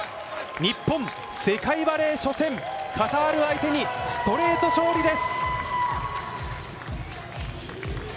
日本、世界バレー初戦カタール相手にストレート勝利です。